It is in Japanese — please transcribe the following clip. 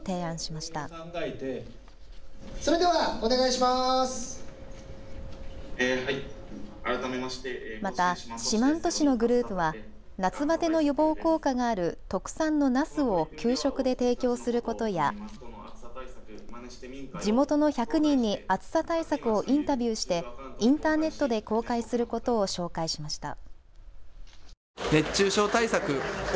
また四万十市のグループは夏バテの予防効果がある特産のナスを給食で提供することや地元の１００人に暑さ対策をインタビューしてインターネットで公開することを紹介しました。